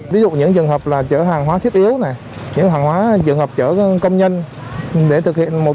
ví dụ những trường hợp là chở hàng hóa thiết yếu những trường hợp chở công nhân để thực hiện một